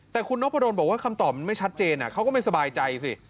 แต่คุณนพดลบอกว่าคำตอบมันไม่ชัดเจนเขาก็ไม่สบายใจสิ